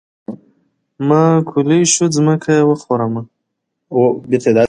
ما کولی شو ځمکه يې وخورمه.